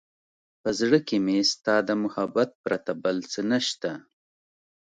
په زړه کې مې ستا د محبت پرته بل څه نشته.